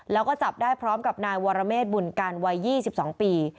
แล้วก็จับได้พร้อมกับนายวรเมฆบุญการวัย๒๒ปี